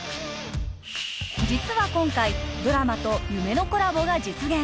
実は今回ドラマと夢のコラボが実現